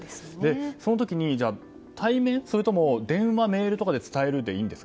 その時に対面それとも電話やメールなどで伝えるでいいんですか？